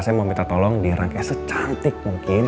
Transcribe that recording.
saya mau minta tolong dirangkai secantik mungkin